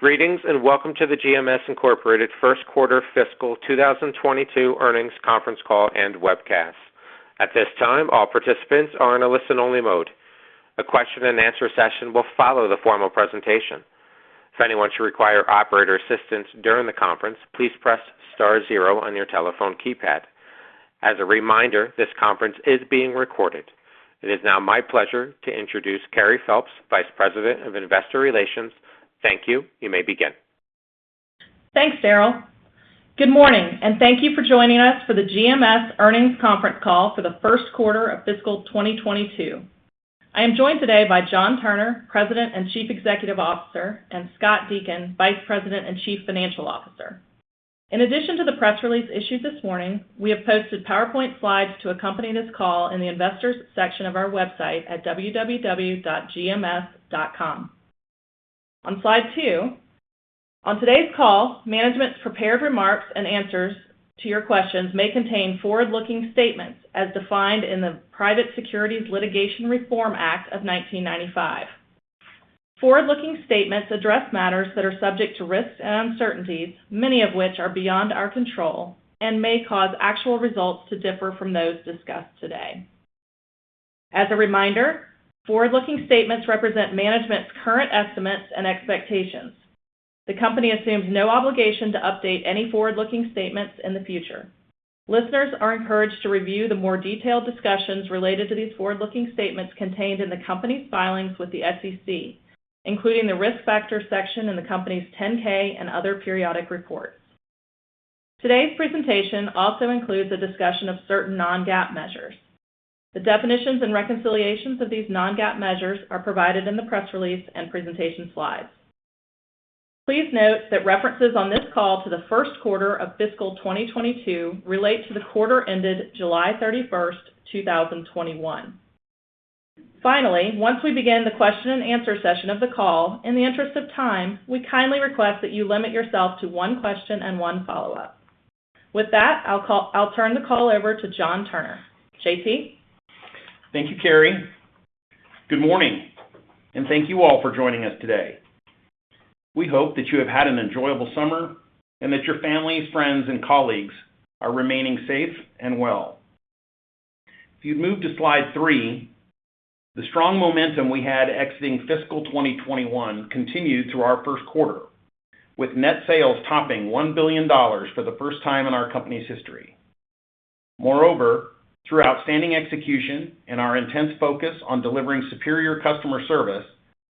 Greetings, and welcome to the GMS Inc. first quarter fiscal 2022 earnings conference call and webcast. At this time, all participants are in a listen-only mode. A question and answer session will follow the formal presentation. If anyone should require operator assistance during the conference, please press star zero on your telephone keypad. As a reminder, this conference is being recorded. It is now my pleasure to introduce Carey Phelps, Vice President of Investor Relations. Thank you. You may begin. Thanks, Daryl. Good morning, thank you for joining us for the GMS earnings conference call for the 1st quarter of fiscal 2022. I am joined today by John Turner, President and Chief Executive Officer, and Scott Deakin, Vice President and Chief Financial Officer. In addition to the press release issued this morning, we have posted PowerPoint slides to accompany this call in the investors section of our website at www.gms.com. On slide 2. On today's call, management's prepared remarks and answers to your questions may contain forward-looking statements as defined in the Private Securities Litigation Reform Act of 1995. Forward-looking statements address matters that are subject to risks and uncertainties, many of which are beyond our control and may cause actual results to differ from those discussed today. As a reminder, forward-looking statements represent management's current estimates and expectations. The company assumes no obligation to update any forward-looking statements in the future. Listeners are encouraged to review the more detailed discussions related to these forward-looking statements contained in the company's filings with the SEC, including the Risk Factors section in the company's 10-K and other periodic reports. Today's presentation also includes a discussion of certain non-GAAP measures. The definitions and reconciliations of these non-GAAP measures are provided in the press release and presentation slides. Please note that references on this call to the first quarter of fiscal 2022 relate to the quarter ended July 31st, 2021. Finally, once we begin the question and answer session of the call, in the interest of time, we kindly request that you limit yourself to one question and one follow-up. With that, I'll turn the call over to John Turner. John Turner? Thank you, Carey. Good morning. Thank you all for joining us today. We hope that you have had an enjoyable summer and that your families, friends, and colleagues are remaining safe and well. If you'd move to slide 3, the strong momentum we had exiting fiscal 2021 continued through our first quarter, with net sales topping $1 billion for the first time in our company's history. Through outstanding execution and our intense focus on delivering superior customer service,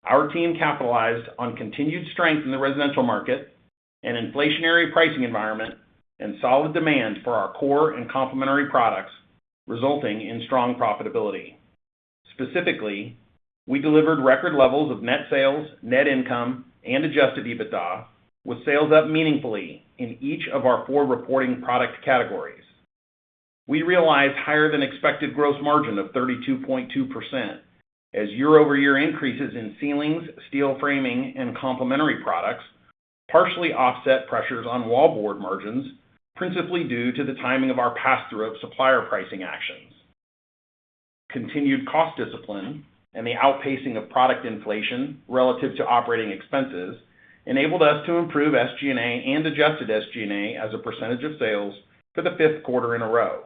our team capitalized on continued strength in the residential market, an inflationary pricing environment, and solid demand for our core and complementary products, resulting in strong profitability. We delivered record levels of net sales, net income, and adjusted EBITDA, with sales up meaningfully in each of our 4 reporting product categories. We realized higher than expected gross margin of 32.2% as year-over-year increases in ceilings, steel framing, and complementary products partially offset pressures on wallboard margins, principally due to the timing of our passthrough of supplier pricing actions. Continued cost discipline and the outpacing of product inflation relative to operating expenses enabled us to improve SG&A and adjusted SG&A as a percentage of sales for the fifth quarter in a row,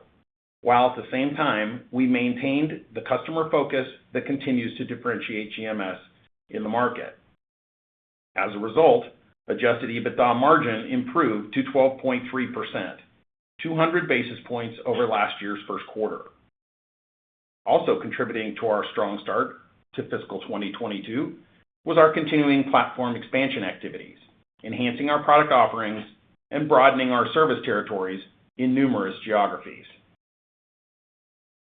while at the same time, we maintained the customer focus that continues to differentiate GMS in the market. As a result, adjusted EBITDA margin improved to 12.3%, 200 basis points over last year's first quarter. Also contributing to our strong start to fiscal 2022 was our continuing platform expansion activities, enhancing our product offerings and broadening our service territories in numerous geographies.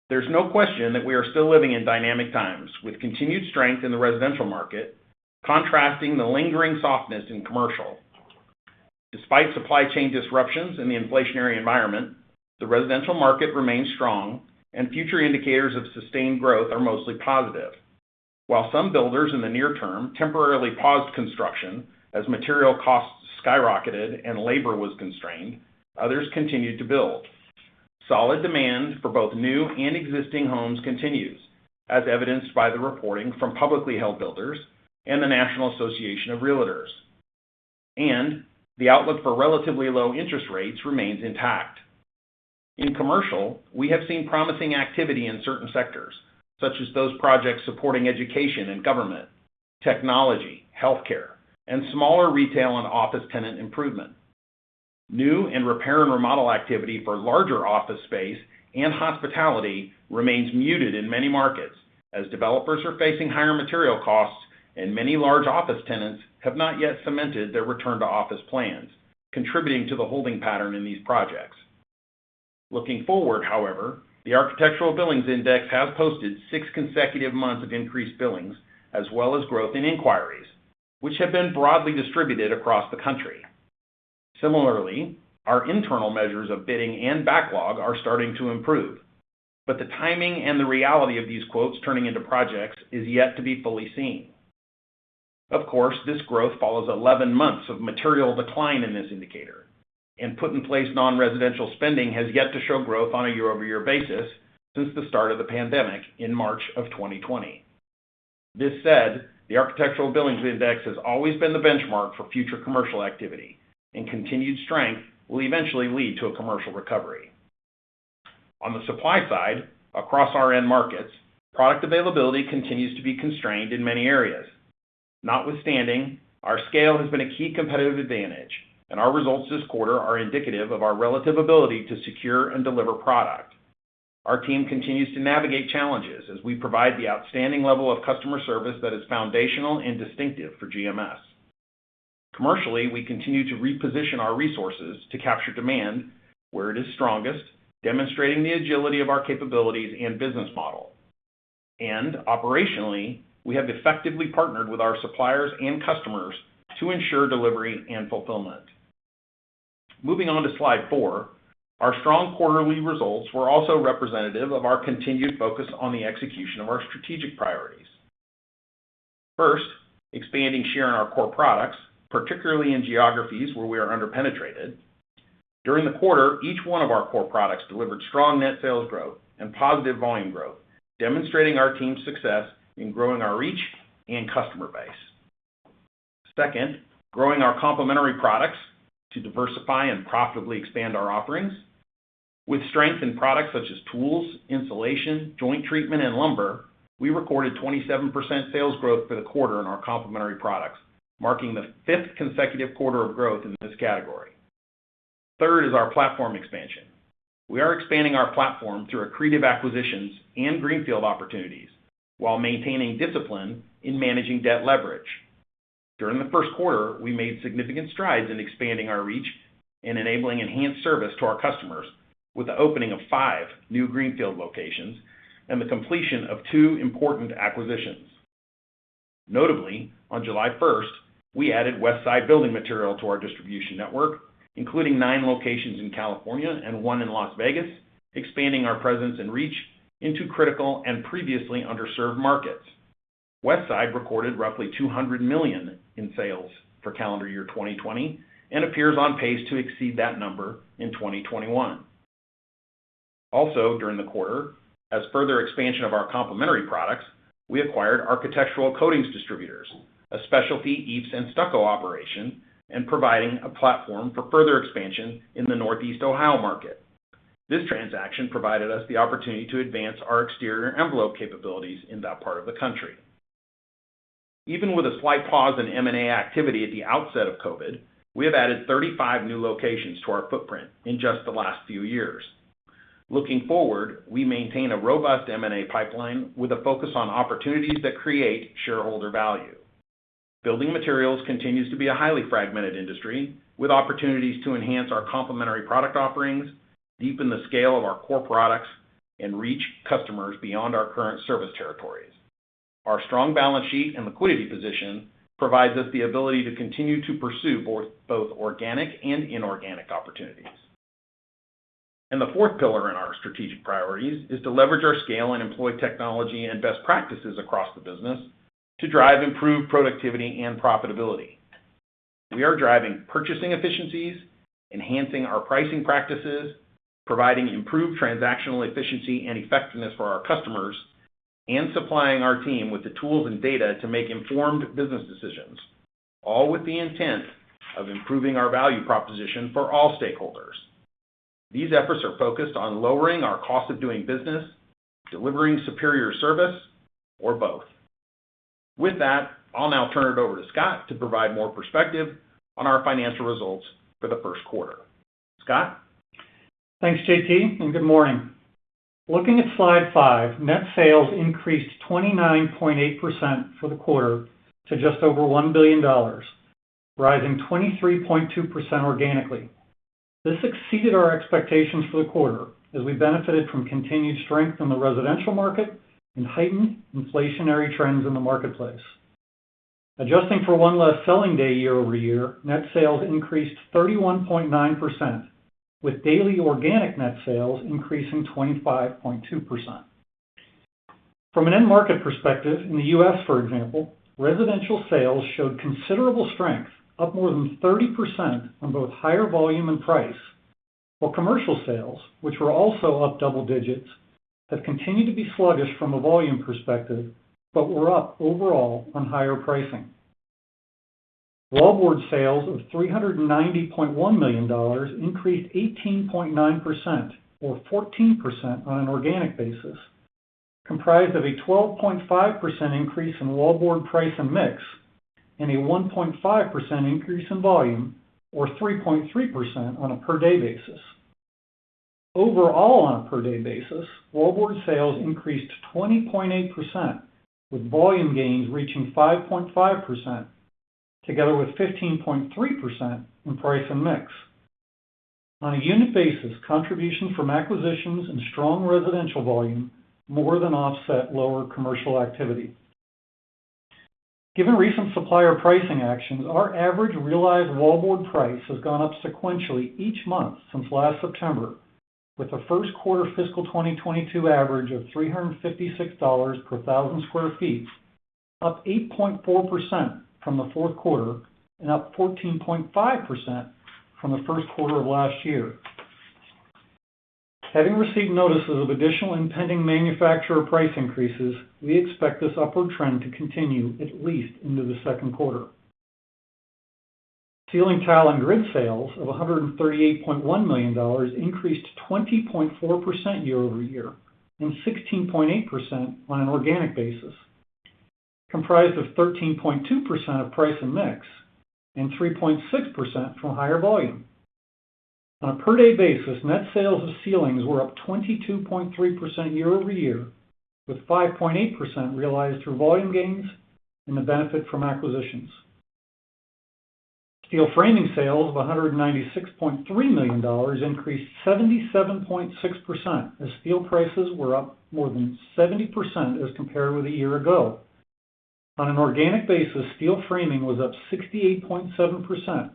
There's no question that we are still living in dynamic times, with continued strength in the residential market contrasting the lingering softness in commercial. Despite supply chain disruptions in the inflationary environment, the residential market remains strong and future indicators of sustained growth are mostly positive. While some builders in the near term temporarily paused construction as material costs skyrocketed and labor was constrained, others continued to build. Solid demand for both new and existing homes continues, as evidenced by the reporting from publicly held builders and the National Association of REALTORS, and the outlook for relatively low interest rates remains intact. In commercial, we have seen promising activity in certain sectors, such as those projects supporting education and government, technology, healthcare, and smaller retail and office tenant improvement. New and repair and remodel activity for larger office space and hospitality remains muted in many markets as developers are facing higher material costs and many large office tenants have not yet cemented their return-to-office plans, contributing to the holding pattern in these projects. Looking forward, however, the Architectural Billings Index has posted 6 consecutive months of increased billings as well as growth in inquiries, which have been broadly distributed across the country. Similarly, our internal measures of bidding and backlog are starting to improve, but the timing and the reality of these quotes turning into projects is yet to be fully seen. Of course, this growth follows 11 months of material decline in this indicator. Put-in-place non-residential spending has yet to show growth on a year-over-year basis since the start of the pandemic in March of 2020. This said, the Architectural Billings Index has always been the benchmark for future commercial activity, continued strength will eventually lead to a commercial recovery. On the supply side, across our end markets, product availability continues to be constrained in many areas. Notwithstanding, our scale has been a key competitive advantage, our results this quarter are indicative of our relative ability to secure and deliver product. Our team continues to navigate challenges as we provide the outstanding level of customer service that is foundational and distinctive for GMS. Commercially, we continue to reposition our resources to capture demand where it is strongest, demonstrating the agility of our capabilities and business model. Operationally, we have effectively partnered with our suppliers and customers to ensure delivery and fulfillment. Moving on to slide four, our strong quarterly results were also representative of our continued focus on the execution of our strategic priorities. First, expanding share in our core products, particularly in geographies where we are under-penetrated. During the quarter, each one of our core products delivered strong net sales growth and positive volume growth, demonstrating our team's success in growing our reach and customer base. Second, growing our complementary products to diversify and profitably expand our offerings. With strength in products such as tools, insulation, joint treatment, and lumber, we recorded 27% sales growth for the quarter in our complementary products, marking the fifth consecutive quarter of growth in this category. Third is our platform expansion. We are expanding our platform through accretive acquisitions and greenfield opportunities while maintaining discipline in managing debt leverage. During the 1st quarter, we made significant strides in expanding our reach and enabling enhanced service to our customers with the opening of 5 new greenfield locations and the completion of 2 important acquisitions. Notably, on July 1st, we added Westside Building Material to our distribution network, including 9 locations in California and 1 in Las Vegas, expanding our presence and reach into critical and previously underserved markets. Westside recorded roughly $200 million in sales for calendar year 2020 and appears on pace to exceed that number in 2021. Also during the quarter, as further expansion of our complementary products, we acquired Architectural Coatings Distributors, a specialty EIFS and stucco operation, and providing a platform for further expansion in the Northeast Ohio market. This transaction provided us the opportunity to advance our exterior envelope capabilities in that part of the country. Even with a slight pause in M&A activity at the outset of COVID, we have added 35 new locations to our footprint in just the last few years. Looking forward, we maintain a robust M&A pipeline with a focus on opportunities that create shareholder value. Building materials continues to be a highly fragmented industry with opportunities to enhance our complementary product offerings, deepen the scale of our core products, and reach customers beyond our current service territories. Our strong balance sheet and liquidity position provides us the ability to continue to pursue both organic and inorganic opportunities. The fourth pillar in our strategic priorities is to leverage our scale and employ technology and best practices across the business to drive improved productivity and profitability. We are driving purchasing efficiencies, enhancing our pricing practices, providing improved transactional efficiency and effectiveness for our customers, and supplying our team with the tools and data to make informed business decisions, all with the intent of improving our value proposition for all stakeholders. These efforts are focused on lowering our cost of doing business, delivering superior service, or both. With that, I will now turn it over to Scott to provide more perspective on our financial results for the first quarter. Scott? Thanks, JT, and good morning. Looking at slide 5, net sales increased 29.8% for the quarter to just over $1 billion, rising 23.2% organically. This exceeded our expectations for the quarter as we benefited from continued strength in the residential market and heightened inflationary trends in the marketplace. Adjusting for 1 less selling day year-over-year, net sales increased 31.9%, with daily organic net sales increasing 25.2%. From an end market perspective, in the U.S., for example, residential sales showed considerable strength, up more than 30% on both higher volume and price, while commercial sales, which were also up double digits, have continued to be sluggish from a volume perspective, but were up overall on higher pricing. Wallboard sales of $390.1 million increased 18.9%, or 14% on an organic basis, comprised of a 12.5% increase in wallboard price and mix, and a 1.5% increase in volume, or 3.3% on a per-day basis. Overall, on a per-day basis, wallboard sales increased 20.8%, with volume gains reaching 5.5%, together with 15.3% in price and mix. On a unit basis, contributions from acquisitions and strong residential volume more than offset lower commercial activity. Given recent supplier pricing actions, our average realized wallboard price has gone up sequentially each month since last September, with a first quarter fiscal 2022 average of $356 per thousand square feet, up 8.4% from the fourth quarter and up 14.5% from the first quarter of last year. Having received notices of additional impending manufacturer price increases, we expect this upward trend to continue at least into the second quarter. Ceiling tile and grid sales of $138.1 million increased to 20.4% year-over-year, and 16.8% on an organic basis, comprised of 13.2% of price and mix, and 3.6% from higher volume. On a per-day basis, net sales of ceilings were up 22.3% year-over-year, with 5.8% realized through volume gains and the benefit from acquisitions. steel framing sales of $196.3 million increased 77.6% as steel prices were up more than 70% as compared with a year ago. On an organic basis, steel framing was up 68.7%,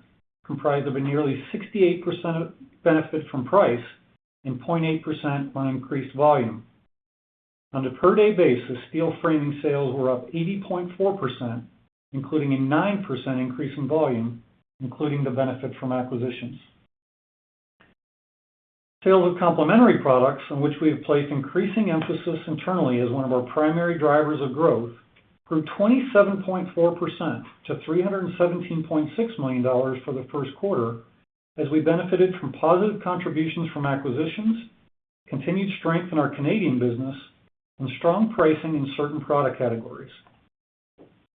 comprised of a nearly 68% benefit from price and 0.8% on increased volume. On a per-day basis, steel framing sales were up 80.4%, including a 9% increase in volume, including the benefit from acquisitions. Sales of complementary products, on which we have placed increasing emphasis internally as one of our primary drivers of growth, grew 27.4% to $317.6 million for the first quarter, as we benefited from positive contributions from acquisitions, continued strength in our Canadian business, and strong pricing in certain product categories.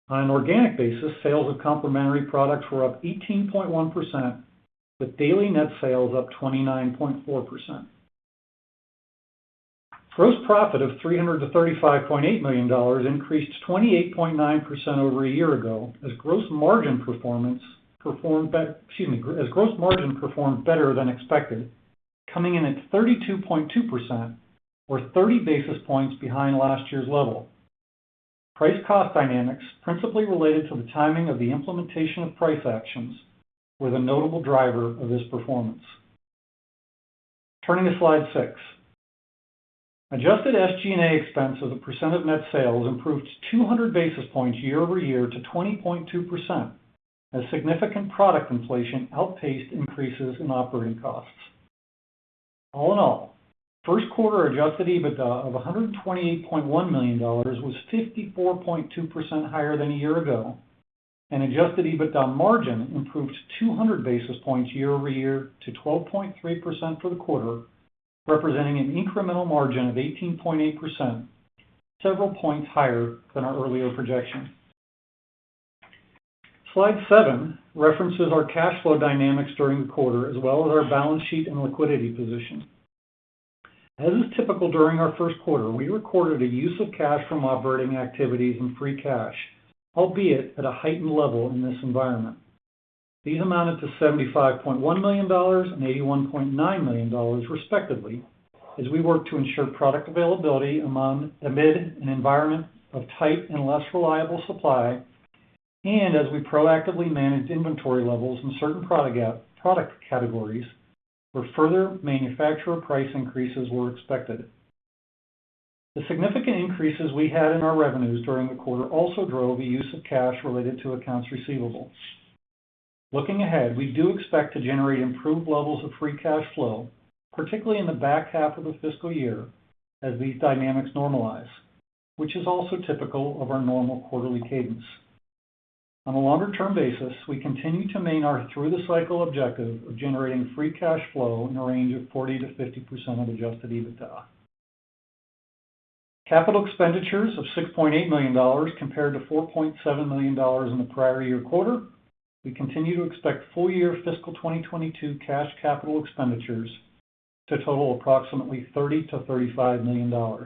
On an organic basis, sales of complementary products were up 18.1%, with daily net sales up 29.4%. Gross profit of $335.8 million increased 28.9% over a year ago as gross margin performed better than expected, coming in at 32.2%, or 30 basis points behind last year's level. Price-cost dynamics, principally related to the timing of the implementation of price actions, were the notable driver of this performance. Turning to Slide 6. Adjusted SG&A expense as a percent of net sales improved 200 basis points year-over-year to 20.2% as significant product inflation outpaced increases in operating costs. All in all, first quarter adjusted EBITDA of $128.1 million was 54.2% higher than a year ago, and adjusted EBITDA margin improved 200 basis points year-over-year to 12.3% for the quarter, representing an incremental margin of 18.8%, several points higher than our earlier projection. Slide 7 references our cash flow dynamics during the quarter as well as our balance sheet and liquidity position. As is typical during our first quarter, we recorded a use of cash from operating activities and free cash, albeit at a heightened level in this environment. These amounted to $75.1 million and $81.9 million, respectively, as we work to ensure product availability amid an environment of tight and less reliable supply and as we proactively manage inventory levels in certain product categories where further manufacturer price increases were expected. The significant increases we had in our revenues during the quarter also drove a use of cash related to accounts receivables. Looking ahead, we do expect to generate improved levels of free cash flow, particularly in the back half of the fiscal year as these dynamics normalize, which is also typical of our normal quarterly cadence. On a longer-term basis, we continue to maintain our through the cycle objective of generating free cash flow in the range of 40%-50% of adjusted EBITDA. Capital expenditures of $6.8 million compared to $4.7 million in the prior year quarter. We continue to expect full-year fiscal 2022 cash capital expenditures to total approximately $30 million-$35 million.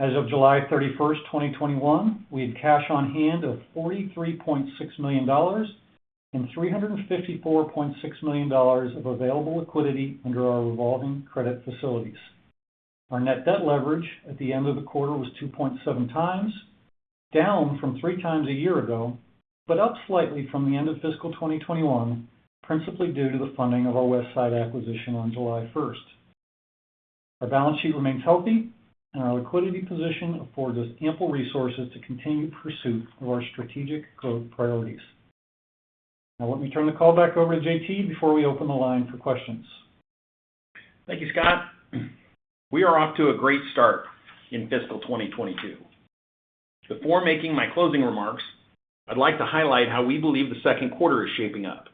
As of July 31, 2021, we had cash on hand of $43.6 million and $354.6 million of available liquidity under our revolving credit facilities. Our net debt leverage at the end of the quarter was 2.7 times, down from 3 times a year ago, but up slightly from the end of fiscal 2021, principally due to the funding of our Westside acquisition on July 1st. Our balance sheet remains healthy, and our liquidity position affords us ample resources to continue pursuit of our strategic growth priorities. Now, let me turn the call back over to JT before we open the line for questions. Thank you, Scott. We are off to a great start in fiscal 2022. Before making my closing remarks, I'd like to highlight how we believe the second quarter is shaping up.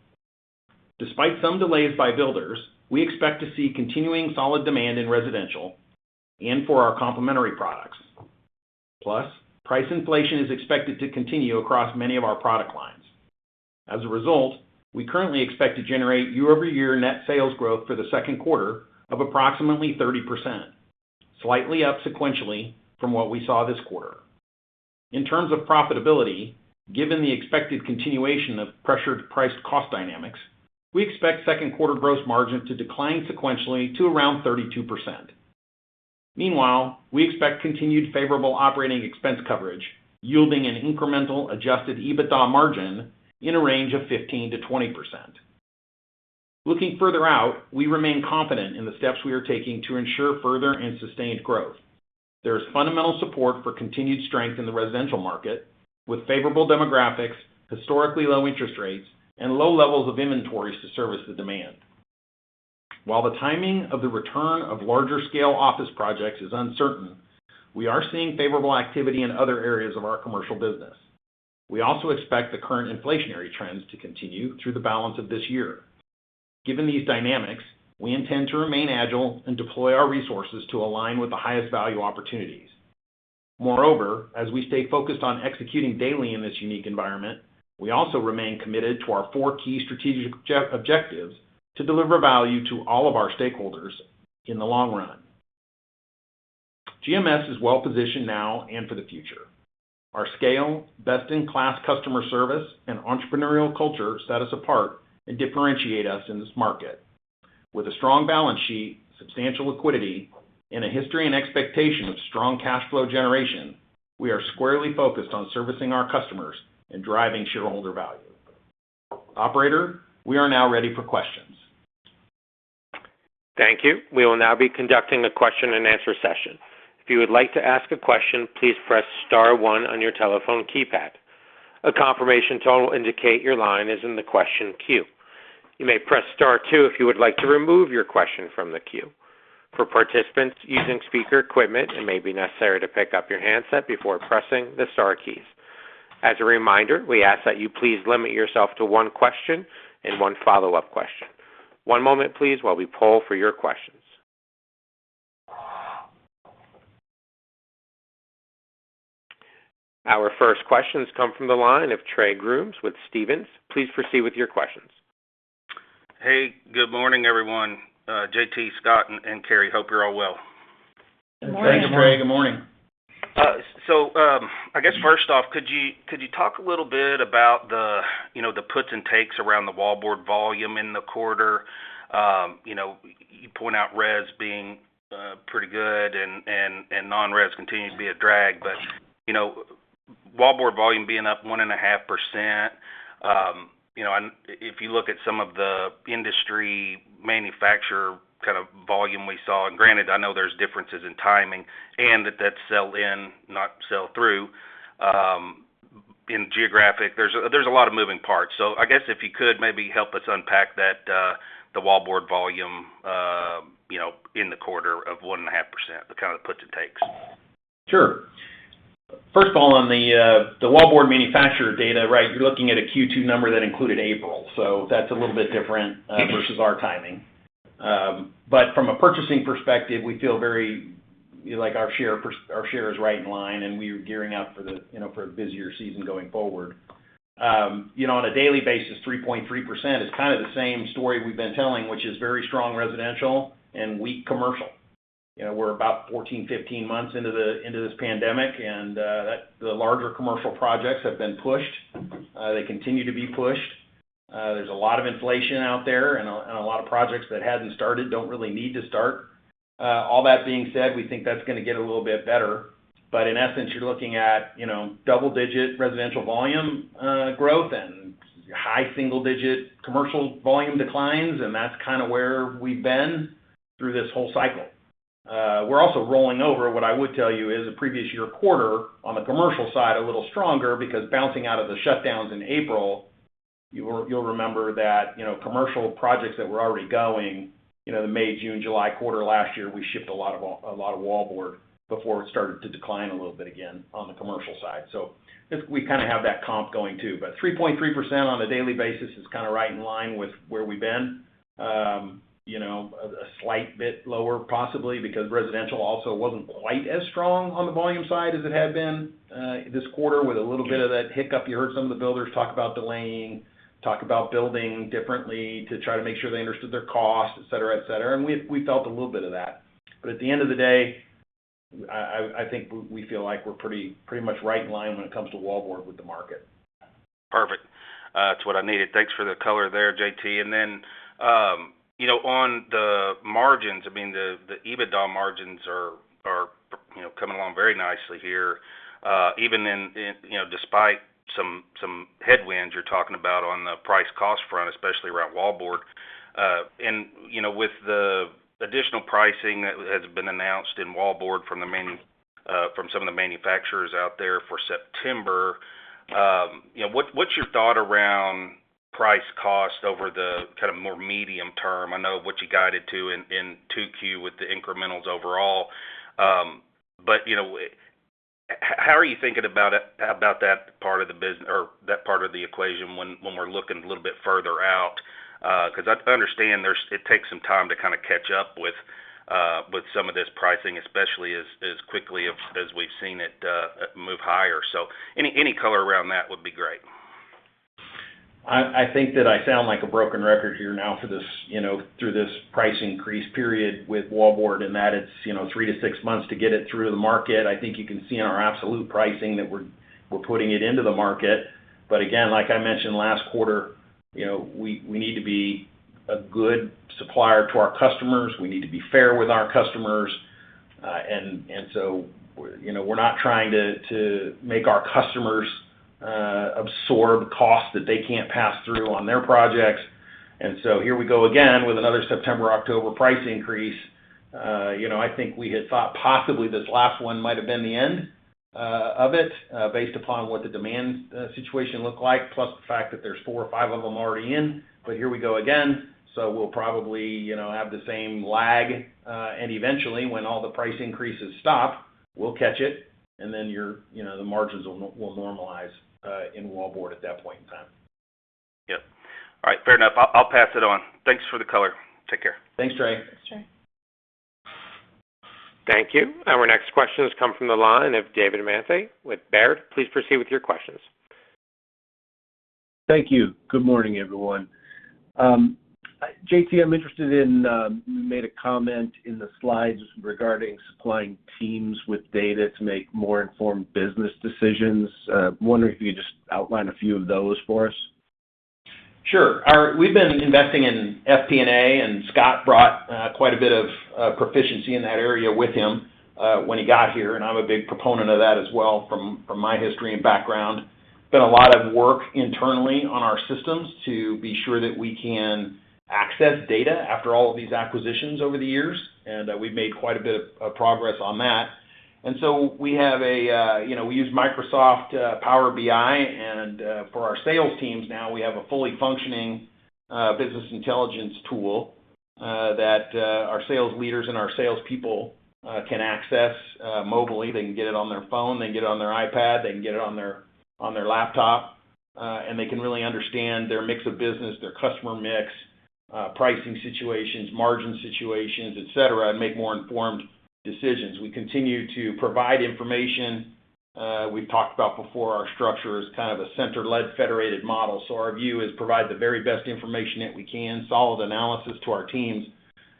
Despite some delays by builders, we expect to see continuing solid demand in residential and for our complementary products. Plus, price inflation is expected to continue across many of our product lines. As a result, we currently expect to generate year-over-year net sales growth for the second quarter of approximately 30%, slightly up sequentially from what we saw this quarter. In terms of profitability, given the expected continuation of pressured price cost dynamics, we expect second quarter gross margin to decline sequentially to around 32%. Meanwhile, we expect continued favorable operating expense coverage, yielding an incremental adjusted EBITDA margin in a range of 15%-20%. Looking further out, we remain confident in the steps we are taking to ensure further and sustained growth. There is fundamental support for continued strength in the residential market, with favorable demographics, historically low interest rates, and low levels of inventories to service the demand. While the timing of the return of larger scale office projects is uncertain, we are seeing favorable activity in other areas of our commercial business. We also expect the current inflationary trends to continue through the balance of this year. Given these dynamics, we intend to remain agile and deploy our resources to align with the highest value opportunities. Moreover, as we stay focused on executing daily in this unique environment, we also remain committed to our four key strategic objectives to deliver value to all of our stakeholders in the long run. GMS is well-positioned now and for the future. Our scale, best-in-class customer service, and entrepreneurial culture set us apart and differentiate us in this market. With a strong balance sheet, substantial liquidity, and a history and expectation of strong cash flow generation, we are squarely focused on servicing our customers and driving shareholder value. Operator, we are now ready for questions. Thank you. We will now be conducting a question and answer session. If you would like to ask a question, please press * one on your telephone keypad. A confirmation tone will indicate your line is in the question queue. You may press * two if you would like to remove your question from the queue. For participants using speaker equipment, it may be necessary to pick up your handset before pressing the star keys. As a reminder, we ask that you please limit yourself to one question and one follow-up question. One moment, please, while we poll for your questions. Our first questions come from the line of Trey Grooms with Stephens. Please proceed with your questions. Hey, good morning, everyone. JT, Scott, and Carrie, hope you're all well. Good morning. Thank you, Trey. Good morning. I guess first off, could you talk a little bit about the puts and takes around the wallboard volume in the quarter? You point out res being pretty good and non-res continuing to be a drag, but wallboard volume being up 1.5%, if you look at some of the industry manufacturer kind of volume we saw. Granted, I know there's differences in timing and that that's sell-in, not sell-through, in geographic, there's a lot of moving parts. I guess if you could maybe help us unpack that, the wallboard volume in the quarter of 1.5%, the kind of puts and takes. Sure. First of all, on the wallboard manufacturer data, right? You're looking at a Q2 number that included April, that's a little bit different versus our timing. From a purchasing perspective, we feel very like our share is right in line, and we are gearing up for a busier season going forward. On a daily basis, 3.3% is kind of the same story we've been telling, which is very strong residential and weak commercial. We're about 14, 15 months into this pandemic, the larger commercial projects have been pushed. They continue to be pushed. There's a lot of inflation out there, a lot of projects that hadn't started don't really need to start. All that being said, we think that's going to get a little bit better. In essence, you're looking at double-digit residential volume growth and high single-digit commercial volume declines, and that's kind of where we've been through this whole cycle. We're also rolling over, what I would tell you is the previous year quarter on the commercial side, a little stronger because bouncing out of the shutdowns in April, you'll remember that commercial projects that were already going, the May, June, July quarter last year, we shipped a lot of wallboard before it started to decline a little bit again on the commercial side. We kind of have that comp going, too. 3.3% on a daily basis is kind of right in line with where we've been. A slight bit lower possibly because residential also wasn't quite as strong on the volume side as it had been this quarter with a little bit of that hiccup. You heard some of the builders talk about delaying, talk about building differently to try to make sure they understood their costs, et cetera. We felt a little bit of that. At the end of the day, I think we feel like we're pretty much right in line when it comes to wallboard with the market. Perfect. That's what I needed. Thanks for the color there, JT. On the margins, the EBITDA margins are coming along very nicely here. Even despite some headwinds you're talking about on the price cost front, especially around wallboard. With the additional pricing that has been announced in wallboard from some of the manufacturers out there for September, what's your thought around price cost over the kind of more medium term? I know what you guided to in 2Q with the incrementals overall. How are you thinking about that part of the equation when we're looking a little bit further out? I understand it takes some time to kind of catch up with some of this pricing, especially as quickly as we've seen it move higher. Any color around that would be great. I think that I sound like a broken record here now through this price increase period with wallboard. It's 3 to 6 months to get it through the market. I think you can see in our absolute pricing that we're putting it into the market. Again, like I mentioned last quarter, we need to be a good supplier to our customers. We need to be fair with our customers. We're not trying to make our customers absorb costs that they can't pass through on their projects. Here we go again with another September, October price increase. I think we had thought possibly this last one might have been the end of it based upon what the demand situation looked like, plus the fact that there's 4 or 5 of them already in. Here we go again. We'll probably have the same lag, and eventually when all the price increases stop, we'll catch it, and then the margins will normalize in wallboard at that point in time. Yep. All right. Fair enough. I'll pass it on. Thanks for the color. Take care. Thanks, Trey. Thanks, Trey. Thank you. Our next question has come from the line of David Manthey with Baird. Please proceed with your questions. Thank you. Good morning, everyone. J.T., I'm interested in, you made a comment in the slides regarding supplying teams with data to make more informed business decisions. I'm wondering if you could just outline a few of those for us? Sure. We've been investing in FP&A, and Scott brought quite a bit of proficiency in that area with him when he got here, and I'm a big proponent of that as well from my history and background. Done a lot of work internally on our systems to be sure that we can access data after all of these acquisitions over the years, and we've made quite a bit of progress on that. We use Microsoft Power BI, and for our sales teams now, we have a fully functioning business intelligence tool that our sales leaders and our salespeople can access mobily. They can get it on their phone, they can get it on their iPad, they can get it on their laptop. They can really understand their mix of business, their customer mix, pricing situations, margin situations, et cetera, and make more informed decisions. We continue to provide information. We've talked about before our structure as kind of a center-led federated model. Our view is provide the very best information that we can, solid analysis to our teams,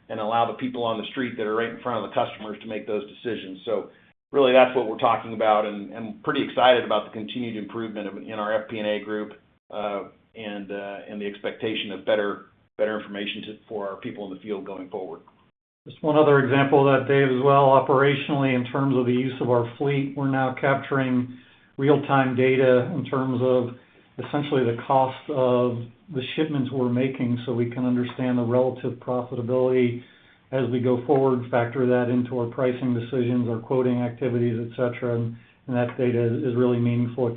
and allow the people on the street that are right in front of the customers to make those decisions. Really that's what we're talking about, and pretty excited about the continued improvement in our FP&A group, and the expectation of better information for our people in the field going forward. Just one other example of that, Dave, as well. Operationally, in terms of the use of our fleet, we're now capturing real-time data in terms of essentially the cost of the shipments we're making so we can understand the relative profitability as we go forward, factor that into our pricing decisions, our quoting activities, et cetera. That data is really meaningful.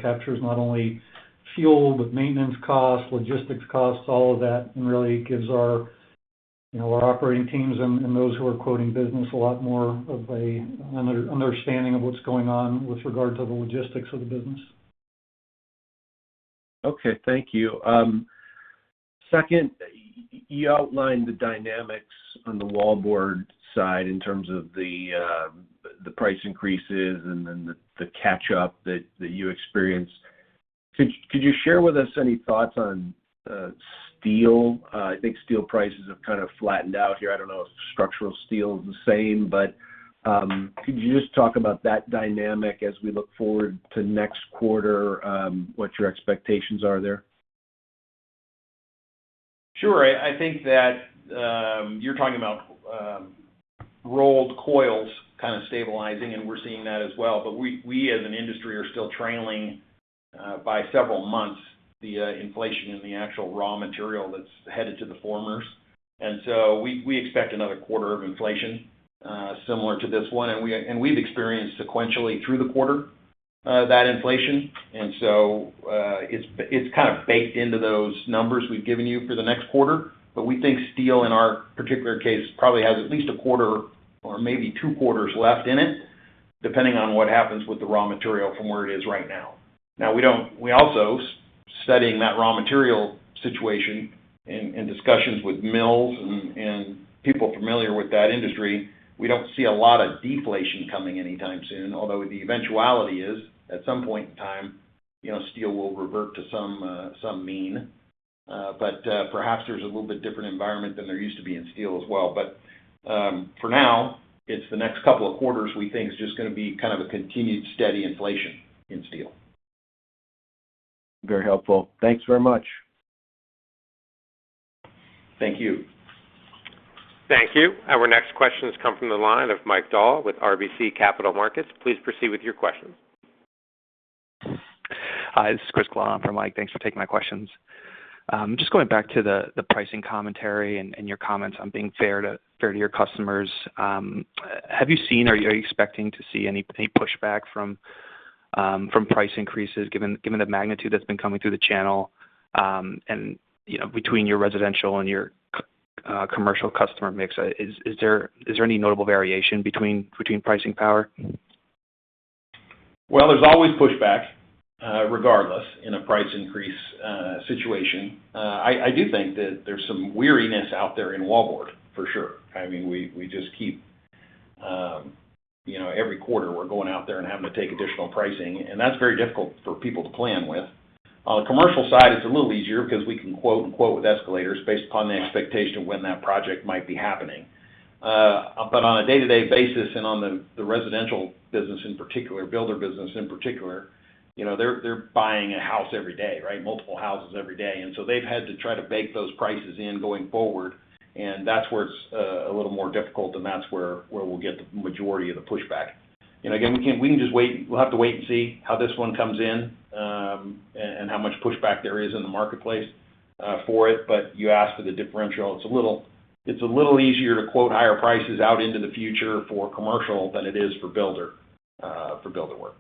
It captures not only fuel, but maintenance costs, logistics costs, all of that, and really gives our operating teams and those who are quoting business a lot more of an understanding of what's going on with regard to the logistics of the business. Okay. Thank you. Second, you outlined the dynamics on the wallboard side in terms of the price increases and then the catch-up that you experienced. Could you share with us any thoughts on steel? I think steel prices have kind of flattened out here. I don't know if structural steel is the same, but could you just talk about that dynamic as we look forward to next quarter, what your expectations are there? Sure. I think that you're talking about rolled coils kind of stabilizing, and we're seeing that as well. We as an industry are still trailing by several months the inflation in the actual raw material that's headed to the formers. We expect another quarter of inflation similar to this one. We've experienced sequentially through the quarter that inflation. It's kind of baked into those numbers we've given you for the next quarter. We think steel, in our particular case, probably has at least a quarter or maybe two quarters left in it, depending on what happens with the raw material from where it is right now. We also, studying that raw material situation and discussions with mills and people familiar with that industry, we don't see a lot of deflation coming anytime soon. Although the eventuality is at some point in time steel will revert to some mean. Perhaps there's a little bit different environment than there used to be in steel as well. For now, it's the next couple of quarters we think is just going to be kind of a continued steady inflation in steel. Very helpful. Thanks very much. Thank you. Thank you. Our next question has come from the line of Michael Dahl with RBC Capital Markets. Please proceed with your questions. Hi, this is Chris Glomb for Mike. Thanks for taking my questions. Just going back to the pricing commentary and your comments on being fair to your customers. Have you seen or are you expecting to see any pushback from price increases given the magnitude that's been coming through the channel? Between your residential and your commercial customer mix, is there any notable variation between pricing power? Well, there's always pushback, regardless, in a price increase situation. I do think that there's some weariness out there in wallboard, for sure. We just keep every quarter we're going out there and having to take additional pricing, and that's very difficult for people to plan with. On the commercial side, it's a little easier because we can quote and quote with escalators based upon the expectation of when that project might be happening. On a day-to-day basis and on the residential business in particular, builder business in particular, they're buying a house every day, right? Multiple houses every day. They've had to try to bake those prices in going forward. That's where it's a little more difficult, and that's where we'll get the majority of the pushback. Again, we'll have to wait and see how this one comes in, and how much pushback there is in the marketplace for it. You asked for the differential. It's a little easier to quote higher prices out into the future for commercial than it is for builder work.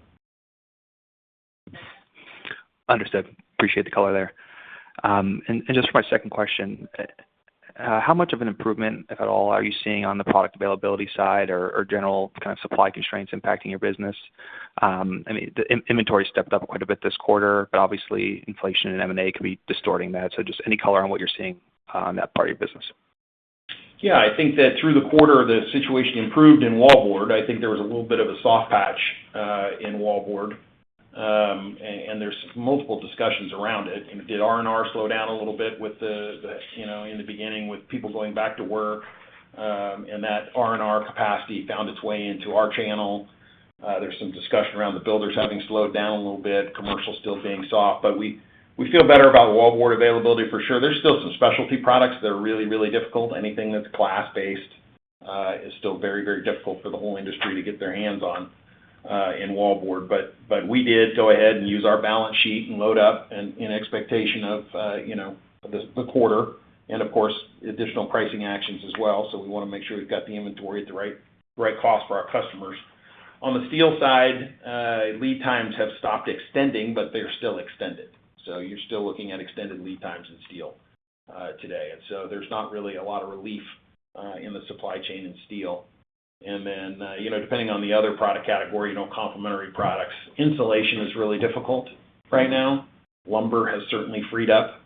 Understood. Appreciate the color there. Just for my second question, how much of an improvement, if at all, are you seeing on the product availability side or general kind of supply constraints impacting your business? I mean, the inventory stepped up quite a bit this quarter, but obviously inflation and M&A could be distorting that. Just any color on what you are seeing on that part of your business. Yeah. I think that through the quarter, the situation improved in wallboard. I think there was a little bit of a soft patch in wallboard. There's multiple discussions around it. Did R&R slow down a little bit in the beginning with people going back to work, and that R&R capacity found its way into our channel? There's some discussion around the builders having slowed down a little bit, commercial still being soft. We feel better about wallboard availability for sure. There's still some specialty products that are really difficult. Anything that's glass-based is still very difficult for the whole industry to get their hands on in wallboard. We did go ahead and use our balance sheet and load up in expectation of the quarter, and of course, additional pricing actions as well. We want to make sure we've got the inventory at the right cost for our customers. On the steel side, lead times have stopped extending, but they're still extended. You're still looking at extended lead times in steel today. There's not really a lot of relief in the supply chain in steel. Depending on the other product category, complementary products, insulation is really difficult right now. Lumber has certainly freed up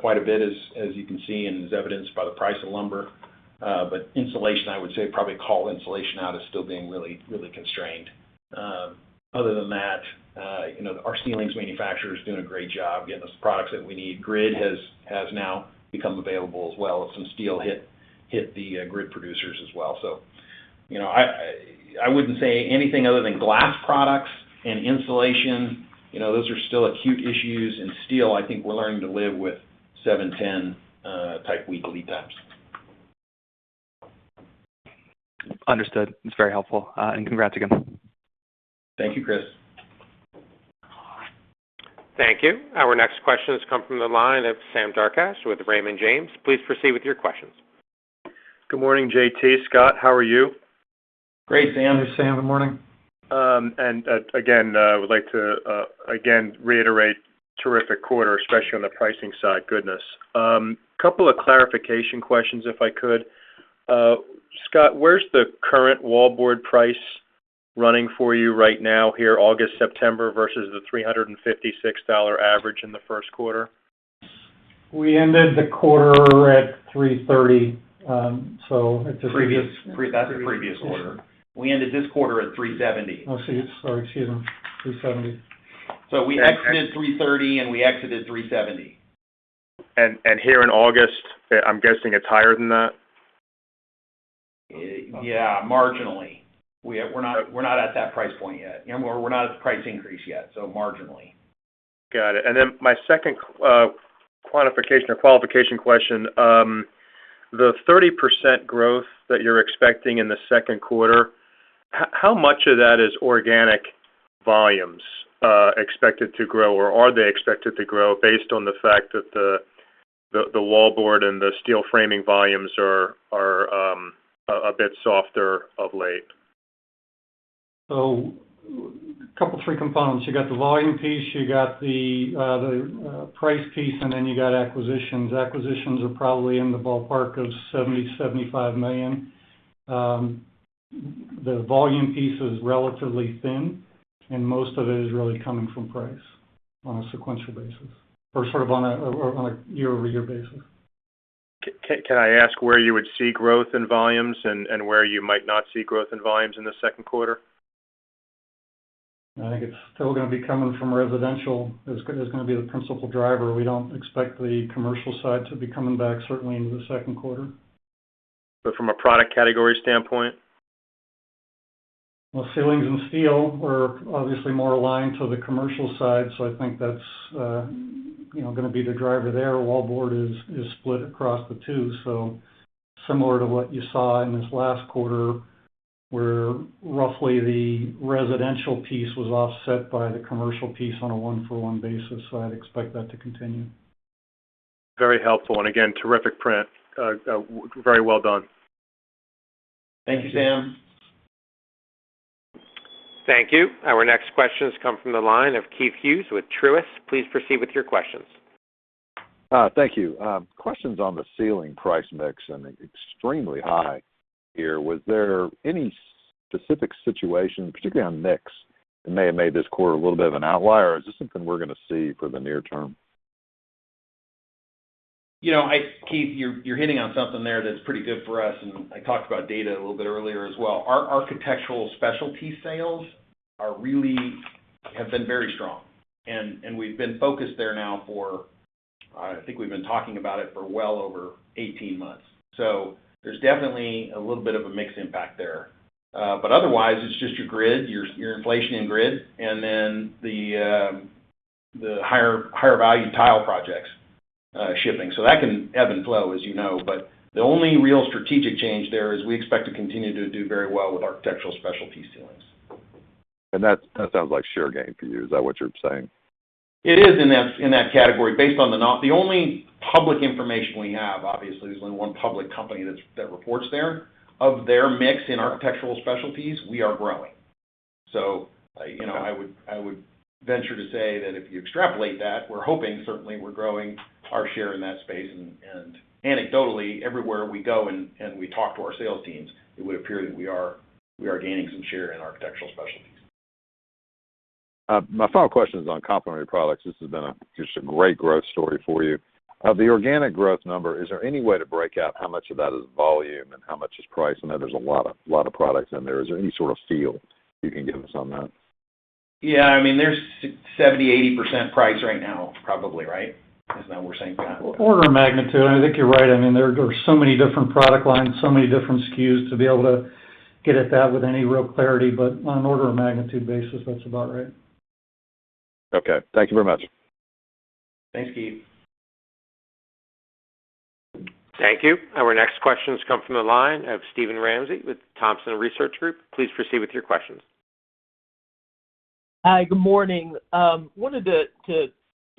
quite a bit, as you can see, and as evidenced by the price of lumber. Insulation, I would say probably call insulation out as still being really constrained. Other than that, our ceilings manufacturer is doing a great job getting those products that we need. Grid has now become available as well as some steel hit the grid producers as well. I wouldn't say anything other than glass products and insulation, those are still acute issues. Steel, I think we're learning to live with 7-10 type week lead times. Understood. It's very helpful. Congrats again. Thank you, Chris. Thank you. Our next question has come from the line of Sam Darko with Raymond James. Please proceed with your questions. Good morning, JT, Scott, how are you? Great, Sam. This is Sam. Good morning. I would like to again reiterate, terrific quarter, especially on the pricing side. Goodness. Couple of clarification questions, if I could. Scott, where's the current wallboard price running for you right now here August, September, versus the $356 average in the first quarter? We ended the quarter at 330. That's the previous quarter. We ended this quarter at $370. Oh, geez. Sorry. Excuse me. $370. We exited $330, and we exited $370. Here in August, I'm guessing it's higher than that? Marginally. We're not at that price point yet, or we're not at the price increase yet, so marginally. Got it. My second quantification or qualification question, the 30% growth that you're expecting in the second quarter, how much of that is organic volumes expected to grow, or are they expected to grow based on the fact that the wallboard and the steel framing volumes are a bit softer of late? Couple three components. You got the volume piece, you got the price piece, and then you got acquisitions. Acquisitions are probably in the ballpark of $70 million-$75 million. The volume piece is relatively thin, and most of it is really coming from price on a sequential basis or sort of on a year-over-year basis. Can I ask where you would see growth in volumes and where you might not see growth in volumes in the second quarter? I think it's still going to be coming from residential. It's going to be the principal driver. We don't expect the commercial side to be coming back, certainly into the second quarter. From a product category standpoint? Well, ceilings and steel are obviously more aligned to the commercial side, so I think that's going to be the driver there. Wallboard is split across the two, so similar to what you saw in this last quarter, where roughly the residential piece was offset by the commercial piece on a one-for-one basis. I'd expect that to continue. Very helpful. Again, terrific print. Very well done. Thank you, Sam. Thank you. Our next question has come from the line of Keith Hughes with Truist. Please proceed with your questions. Thank you. Questions on the ceiling price mix and extremely high here. Was there any specific situation, particularly on mix, that may have made this quarter a little bit of an outlier? Is this something we're going to see for the near term? Keith, you're hitting on something there that's pretty good for us, and I talked about data a little bit earlier as well. Our architectural specialty sales have been very strong, and we've been focused there now for, I think we've been talking about it for well over 18 months. There's definitely a little bit of a mix impact there. Otherwise, it's just your grid, your inflation in grid, and then the higher value tile projects shipping. That can ebb and flow, as you know. The only real strategic change there is we expect to continue to do very well with architectural specialty ceilings. That sounds like share gain for you. Is that what you're saying? It is in that category based on the only public information we have, obviously, there's only one public company that reports there. Of their mix in architectural specialties, we are growing. Okay I would venture to say that if you extrapolate that, we're hoping certainly we're growing our share in that space and anecdotally, everywhere we go and we talk to our sales teams, it would appear that we are gaining some share in architectural specialties. My final question is on complementary products. This has been just a great growth story for you. The organic growth number, is there any way to break out how much of that is volume and how much is price? I know there's a lot of products in there. Is there any sort of feel you can give us on that? Yeah. There's 70%-80% price right now probably, right? Is that what we're saying, Pat? Order of magnitude, I think you're right. There are so many different product lines, so many different SKUs to be able to get at that with any real clarity. On an order of magnitude basis, that's about right. Okay. Thank you very much. Thanks, Keith. Thank you. Our next questions come from the line of Steven Ramsey with Thompson Research Group. Please proceed with your questions. Hi. Good morning. Wanted to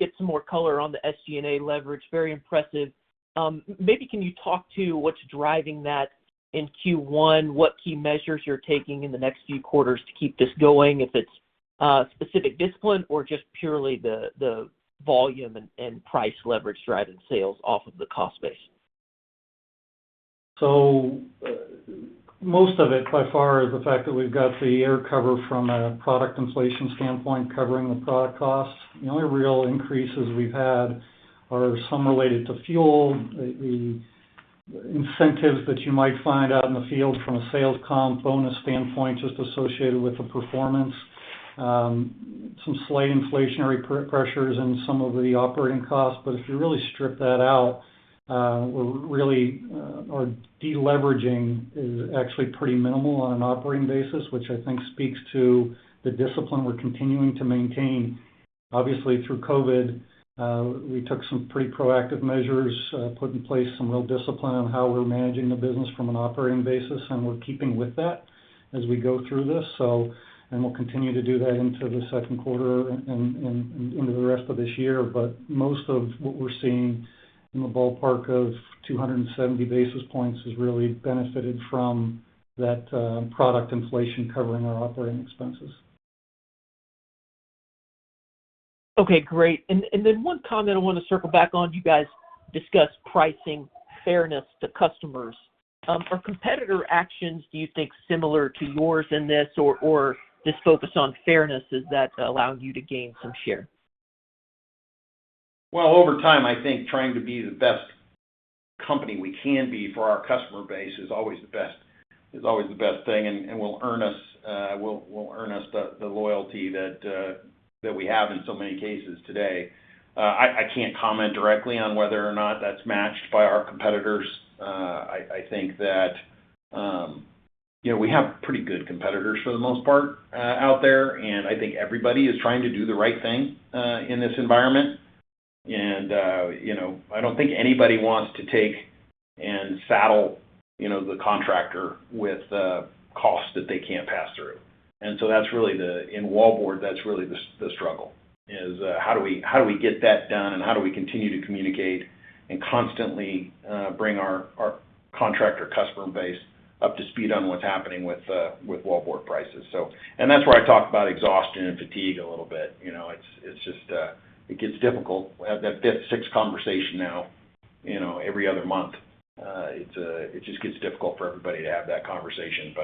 get some more color on the SG&A leverage. Very impressive. Maybe can you talk to what's driving that in Q1, what key measures you're taking in the next few quarters to keep this going, if it's a specific discipline or just purely the volume and price leverage driving sales off of the cost base? Most of it by far is the fact that we've got the air cover from a product inflation standpoint covering the product costs. The only real increases we've had are some related to fuel, the incentives that you might find out in the field from a sales comp bonus standpoint, just associated with the performance. Some slight inflationary pressures in some of the operating costs. If you really strip that out, our de-leveraging is actually pretty minimal on an operating basis, which I think speaks to the discipline we're continuing to maintain. Obviously, through COVID, we took some pretty proactive measures, put in place some real discipline on how we're managing the business from an operating basis, and we're keeping with that as we go through this. We'll continue to do that into the second quarter and into the rest of this year. Most of what we're seeing in the ballpark of 270 basis points has really benefited from that product inflation covering our operating expenses. Okay, great. One comment I want to circle back on. You guys discussed pricing fairness to customers. Are competitor actions, do you think, similar to yours in this, or this focus on fairness, is that allowing you to gain some share? Well, over time, I think trying to be the best company we can be for our customer base is always the best thing and will earn us the loyalty that we have in so many cases today. I can't comment directly on whether or not that's matched by our competitors. I think that we have pretty good competitors for the most part out there, and I think everybody is trying to do the right thing in this environment. I don't think anybody wants to take and saddle the contractor with the cost that they can't pass through. In wallboard, that's really the struggle, is how do we get that done and how do we continue to communicate and constantly bring our contractor customer base up to speed on what's happening with wallboard prices. That's where I talk about exhaustion and fatigue a little bit. It gets difficult. We have that fifth, sixth conversation now every other month. It just gets difficult for everybody to have that conversation.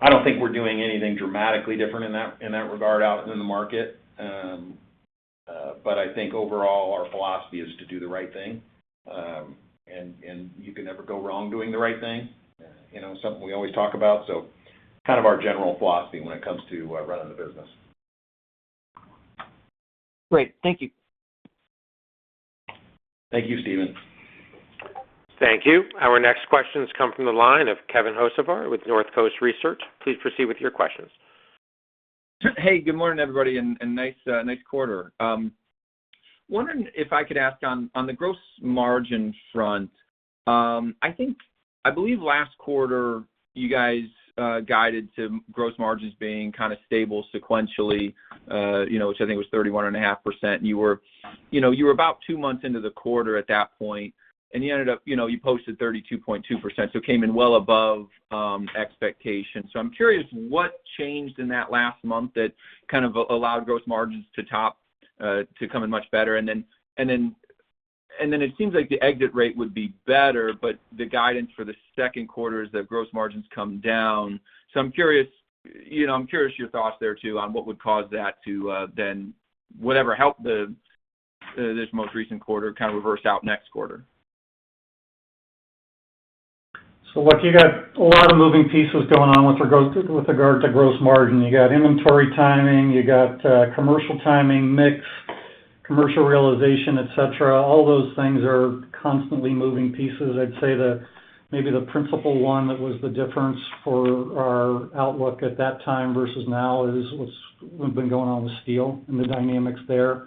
I don't think we're doing anything dramatically different in that regard out in the market. I think overall, our philosophy is to do the right thing. You can never go wrong doing the right thing. Something we always talk about, kind of our general philosophy when it comes to running the business. Great. Thank you. Thank you, Steven. Thank you. Our next questions come from the line of Kevin Hocevar with Northcoast Research. Please proceed with your questions. Hey, good morning, everybody, and nice quarter. Wondering if I could ask on the gross margin front. I believe last quarter you guys guided to gross margins being kind of stable sequentially, which I think was 31.5%. You were about two months into the quarter at that point, and you posted 32.2%, so came in well above expectations. I'm curious what changed in that last month that kind of allowed gross margins to come in much better? It seems like the exit rate would be better, but the guidance for the second quarter is that gross margins come down. I'm curious your thoughts there too on what would cause that to then whatever helped this most recent quarter kind of reverse out next quarter. Look, you got a lot of moving pieces going on with regard to gross margin. You got inventory timing, you got commercial timing, mix, commercial realization, et cetera. All those things are constantly moving pieces. I'd say that maybe the principal one that was the difference for our outlook at that time versus now is what's been going on with steel and the dynamics there,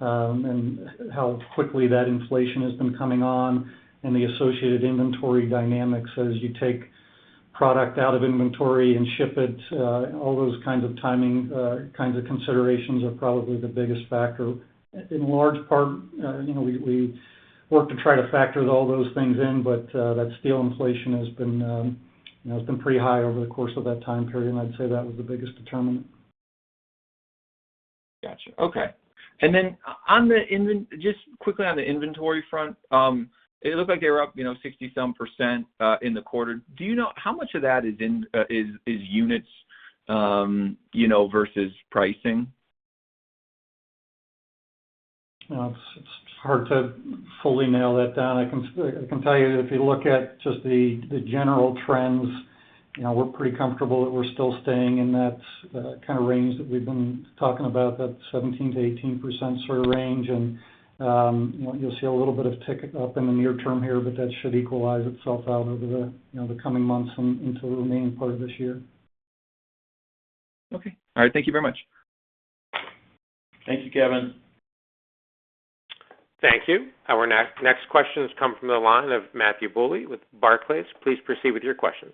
and how quickly that inflation has been coming on, and the associated inventory dynamics as you take product out of inventory and ship it. All those kinds of timing kinds of considerations are probably the biggest factor. In large part, we work to try to factor all those things in, but that steel inflation has been pretty high over the course of that time period, and I'd say that was the biggest determinant. Got you. Okay. Just quickly on the inventory front. It looked like they were up 60-some% in the quarter. How much of that is units versus pricing? It's hard to fully nail that down. I can tell you if you look at just the general trends, we're pretty comfortable that we're still staying in that kind of range that we've been talking about, that 17%-18% sort of range, and you'll see a little bit of tick up in the near term here, but that should equalize itself out over the coming months and into the remaining part of this year. Okay. All right. Thank you very much. Thank you, Kevin. Thank you. Our next questions come from the line of Matthew Bouley with Barclays. Please proceed with your questions.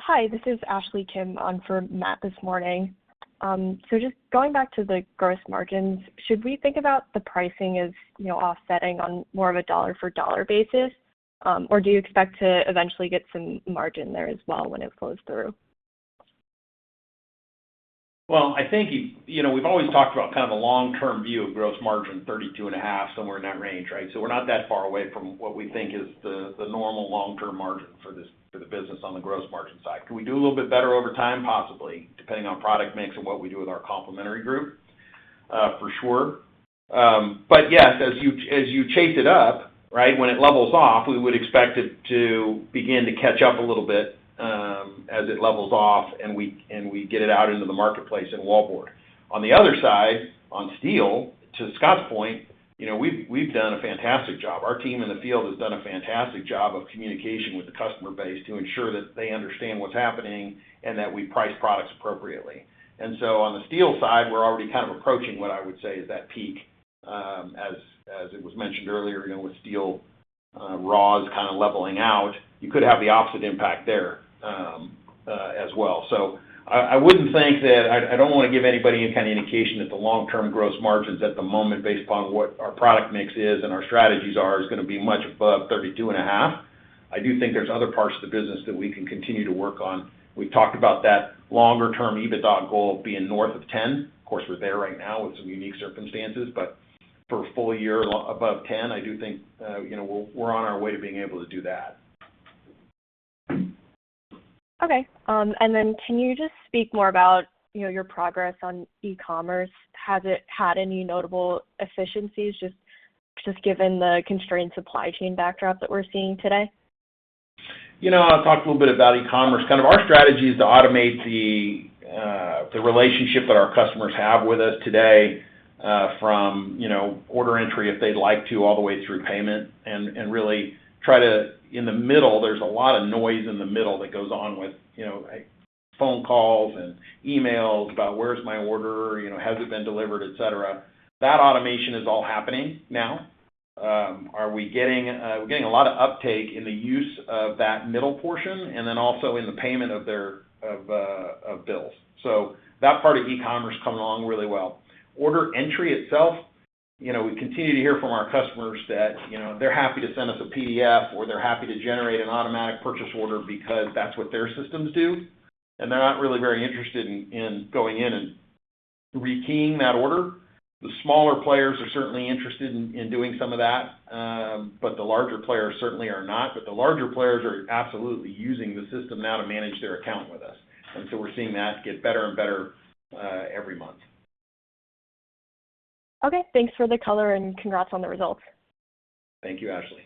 Hi, this is Ashley Kim on for Matt this morning. Just going back to the gross margins, should we think about the pricing as offsetting on more of a dollar for dollar basis? Do you expect to eventually get some margin there as well when it flows through? Well, we've always talked about kind of a long-term view of gross margin 32.5, somewhere in that range, right? We're not that far away from what we think is the normal long-term margin for the business on the gross margin side. Could we do a little bit better over time? Possibly, depending on product mix and what we do with our complementary group, for sure. Yes, as you chase it up, when it levels off, we would expect it to begin to catch up a little bit as it levels off and we get it out into the marketplace in Wallboard. On the other side, on steel, to Scott's point, we've done a fantastic job. Our team in the field has done a fantastic job of communication with the customer base to ensure that they understand what's happening and that we price products appropriately. On the steel side, we're already kind of approaching what I would say is that peak, as it was mentioned earlier, with steel raws kind of leveling out. You could have the opposite impact there as well. I don't want to give anybody any kind of indication that the long-term gross margins at the moment, based upon what our product mix is and our strategies are, is going to be much above 32 and a half. I do think there's other parts of the business that we can continue to work on. We've talked about that longer-term EBITDA goal being north of 10%. Of course, we're there right now with some unique circumstances, but for a full year above 10%, I do think we're on our way to being able to do that. Okay. Can you just speak more about your progress on e-commerce? Has it had any notable efficiencies, just given the constrained supply chain backdrop that we're seeing today? I'll talk a little bit about e-commerce. Kind of our strategy is to automate the relationship that our customers have with us today, from order entry, if they'd like to, all the way through payment. In the middle, there's a lot of noise in the middle that goes on with phone calls and emails about where's my order, has it been delivered, et cetera. That automation is all happening now. We're getting a lot of uptake in the use of that middle portion, and then also in the payment of bills. That part of e-commerce is coming along really well. Order entry itself, we continue to hear from our customers that they're happy to send us a PDF or they're happy to generate an automatic purchase order because that's what their systems do, and they're not really very interested in going in and rekeying that order. The smaller players are certainly interested in doing some of that, but the larger players certainly are not. The larger players are absolutely using the system now to manage their account with us. We're seeing that get better and better every month. Okay. Thanks for the color and congrats on the results. Thank you, Ashley.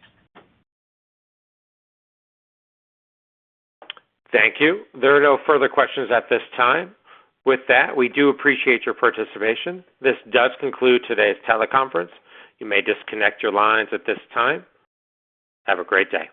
Thank you. There are no further questions at this time. With that, we do appreciate your participation. This does conclude today's teleconference. You may disconnect your lines at this time. Have a great day.